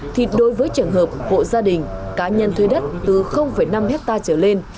thì đối với trường hợp hộ gia đình cá nhân thuê đất từ năm hectare trở lên